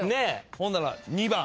ほんなら２番？